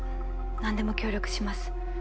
何でも協力します。